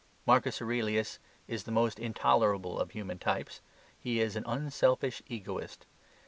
Marcus Aurelius is the most intolerable of human types. He is an unselfish egoist.